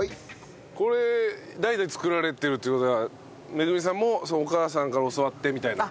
これ代々作られてるっていう事はめぐみさんもお義母さんから教わってみたいな。